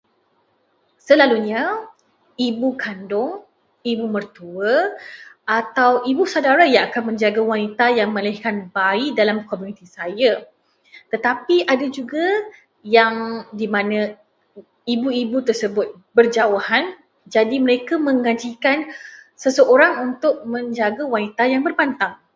Selalunya ibu kandung, ibu mentua, atau ibu saudara yang akan menjaga ibu mengandung dalam komuniti saya. Tetapi ada juga yang di mana ibu-ibu tersebut berjauhan, jadi mereka menggajikan seseorang untuk menjaga wanita yang berpantang.